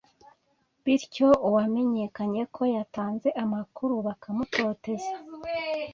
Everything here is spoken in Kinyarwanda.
bityo uwamenyekanye ko yatanze amakuru bakamutoteza